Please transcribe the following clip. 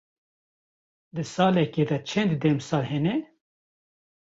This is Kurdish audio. Di salekê de çend demsal hene?